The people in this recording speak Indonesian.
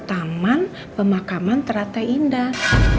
taman pemakaman teratai indah